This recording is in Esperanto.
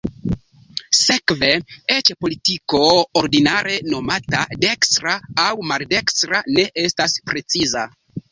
Sekve, eĉ politiko ordinare nomata "dekstra" aŭ "maldekstra" ne estas preciza.